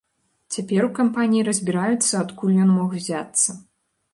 Цяпер у кампаніі разбіраюцца, адкуль ён мог узяцца.